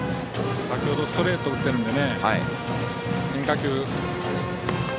先ほどストレートを打っているので。